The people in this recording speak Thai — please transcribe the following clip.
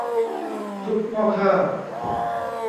ทุบหม้อข้าว